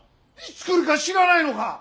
いつ来るか知らないのか。